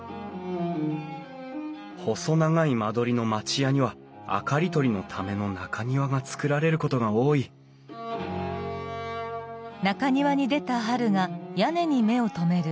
細長い間取りの町家には明かり取りのための中庭が造られることが多いあ？